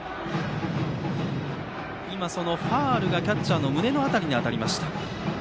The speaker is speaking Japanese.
そのファウルがキャッチャーの胸の辺りに当たりました。